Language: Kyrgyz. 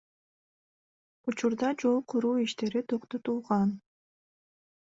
Учурда жол куруу иштери токтотулган.